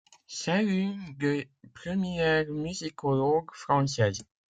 C’est l'une des premières musicologues françaises.